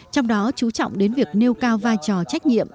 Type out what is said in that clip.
trong đó chú trọng đến việc nêu cao vai trò trách nhiệm